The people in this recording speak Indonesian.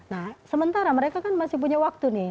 nah sementara mereka kan masih punya waktu nih